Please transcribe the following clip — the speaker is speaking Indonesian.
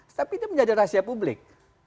tapi itu menjadi rahasia publik